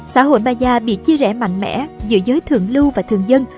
xã hội maya bị chia rẽ mạnh mẽ giữa giới thượng lưu và thường dân